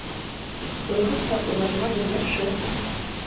— Был хаҡта уйланғаның яҡшы.